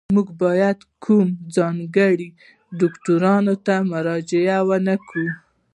موږ باید کوم ځانګړي دوکتورین ته رجوع ونکړو.